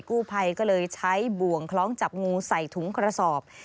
กู้ภัยก็เลยใช้บ่วงคล้องจับงูใส่ถุงกระสอบ